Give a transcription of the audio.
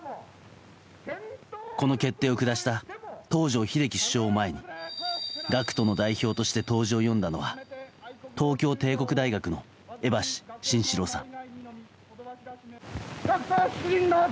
この決定を下した東條英機首相を前に学徒の代表として答辞を呼んだのは東京帝国大学の江橋慎四郎さん。